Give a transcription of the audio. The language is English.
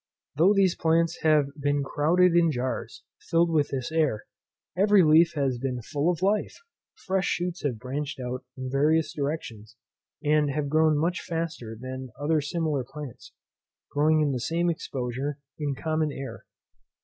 Though these plants have been crouded in jars filled with this air, every leaf has been full of life; fresh shoots have branched out in various directions, and have grown much faster than other similar plants, growing in the same exposure in common air.